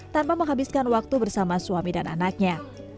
tanpa menghabiskan waktu bersama suami dan anaknya